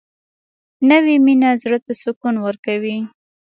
نوې مینه زړه ته سکون ورکوي